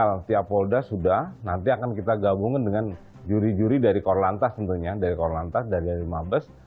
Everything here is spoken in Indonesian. untuk sementara parsial tiap polda sudah nanti akan kita gabungkan dengan juri juri dari korlantas tentunya dari korlantas dan dari lima bus